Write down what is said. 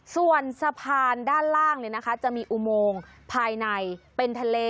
ส่วนสะพานด้านล่างจะมีอุโมงภายในเป็นทะเล